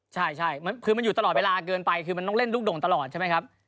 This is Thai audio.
ใช่คือมันอยู่ตลอดเวลาเกินไปคือมันต้องเล่นลูกด่งตลอดใช่ไหมครับ